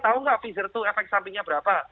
tahu nggak pfizer itu efek sampingnya berapa